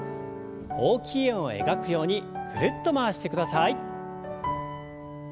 大きい円を描くようにぐるっと回してください。